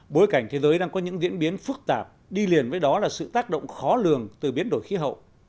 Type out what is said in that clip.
bối cảnh thế giới đang có những diễn biến phức tạp đi liền với đó là sự tác động khó lường từ biến đổi khí hậu